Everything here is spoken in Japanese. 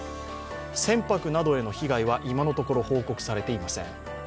船舶などへの被害は今のところ報告されていません。